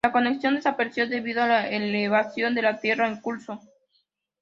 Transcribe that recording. La conexión desapareció debido a la elevación de la tierra en curso.